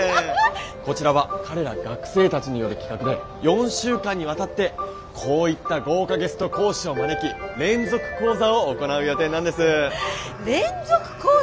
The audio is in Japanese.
こちらは彼ら学生たちによる企画で４週間にわたってこういった豪華ゲスト講師を招き連続講座を行う予定なんです。